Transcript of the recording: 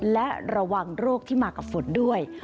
และระวังโรคที่มากับฝนด้วย